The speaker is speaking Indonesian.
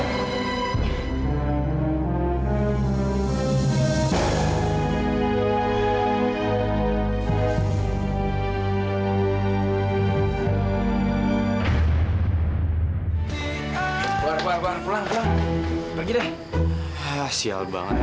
keluar keluar keluar pergi dah